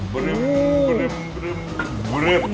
บลึบ